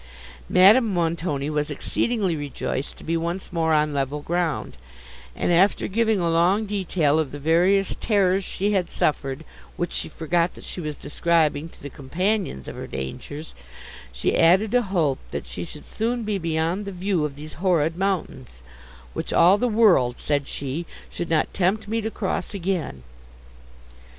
Madame Montoni was exceedingly rejoiced to be once more on level ground; and, after giving a long detail of the various terrors she had suffered, which she forgot that she was describing to the companions of her dangers, she added a hope, that she should soon be beyond the view of these horrid mountains, "which all the world," said she, "should not tempt me to cross again."